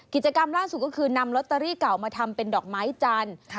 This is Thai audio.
กิจกรรมล่าสุดก็คือนำลอตเตอรี่เก่ามาทำเป็นดอกไม้จันทร์